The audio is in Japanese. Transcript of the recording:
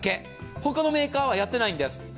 他のメーカーはやってないんです。